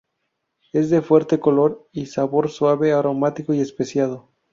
Es de fuerte color y sabor suave, aromático y especiado.